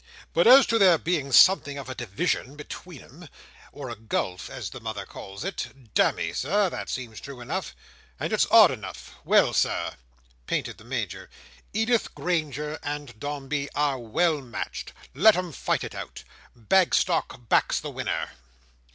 But as to there being something of a division between 'em—or a gulf as the mother calls it—damme, Sir, that seems true enough. And it's odd enough! Well, Sir!" panted the Major, "Edith Granger and Dombey are well matched; let 'em fight it out! Bagstock backs the winner!"